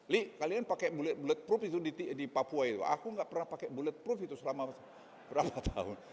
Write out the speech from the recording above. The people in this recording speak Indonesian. li kalian pakai bulletproof itu di papua itu aku enggak pernah pakai bulletproof itu selama berapa tahun